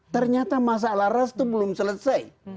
ternyata masalah ras itu belum selesai